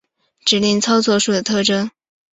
指令操作数的特征